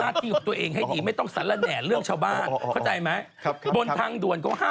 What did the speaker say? ไอ้ไหนละคุณวะ